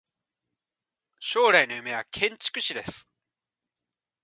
将来の夢は建築士です。